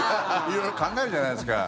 色々考えるじゃないですか。